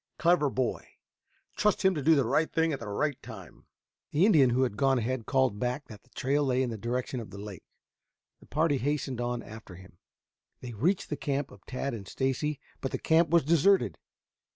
Clever boy. Trust him to do the right thing at the right time." The Indian who had gone on ahead called back that the trail lay in the direction of the lake. The party hastened on after him. They reached the camp of Tad and Stacy, but the camp was deserted.